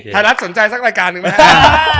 ไทยรัฐสนใจสักรายการหนึ่งไหมครับ